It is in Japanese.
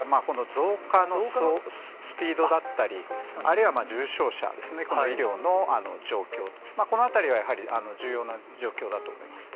そうですね、基準というよりは、増加のスピードだったり、あるいは重症者ですね、医療の状況と、このあたりはやはり、重要な状況だと思います。